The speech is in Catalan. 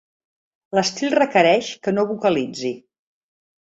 L'estil requereix que no vocalitzi.